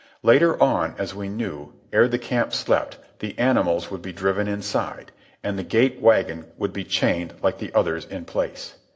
Later on, as we knew, ere the camp slept, the animals would be driven inside, and the gate wagon would be chained like the others in place.